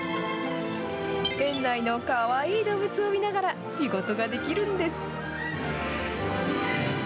園内のかわいい動物を見ながら、仕事ができるんです。